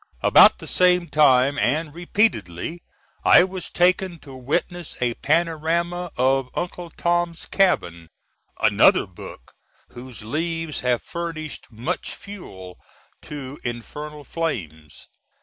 About the same time, & repeatedly, I was taken to witness a panorama of Uncle Tom's Cabin another book whose leaves have furnished much fuel to infernal flames.